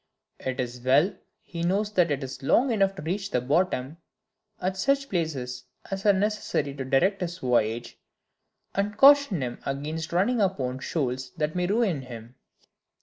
It is well he knows that it is long enough to reach the bottom, at such places as are necessary to direct his voyage, and caution him against running upon shoals that may ruin him.